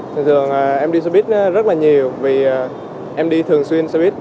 thường thường em đi xe buýt rất là nhiều vì em đi thường xuyên xe buýt